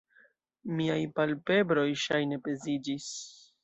Miaj palpebroj ŝajne peziĝis.